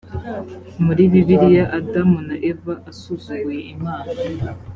muri bibiliya adamu na eva asuzuguye imana